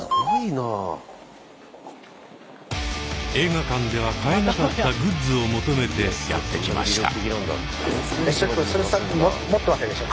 映画館では買えなかったグッズを求めてやって来ました。